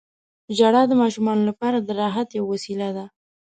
• ژړا د ماشومانو لپاره د راحت یوه وسیله ده.